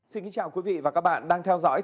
xin kính chào quý vị và các bạn đang theo dõi